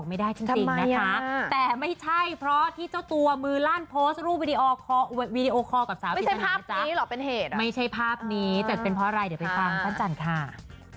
ไม่ใช่ภาพนี้หรอเป็นเหตุไม่ใช่ภาพนี้แต่เป็นเพราะอะไรเดี๋ยวไปฟัง